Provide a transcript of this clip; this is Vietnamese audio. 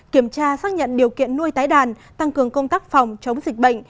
kiểm tra xác nhận điều kiện nuôi tái đàn tăng cường công tác phòng chống dịch bệnh